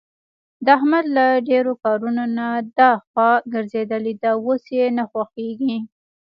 د احمد له ډېرو کارونو نه خوا ګرځېدلې ده. اوس یې نه خوښږېږي.